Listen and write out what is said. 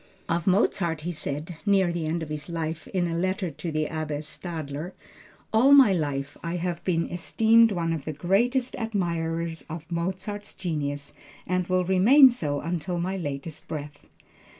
Of Mozart, he said, near the end of his life, in a letter to the Abbe Stadler, "All my life I have been esteemed one of the greatest admirers of Mozart's genius and will remain so until my latest breath."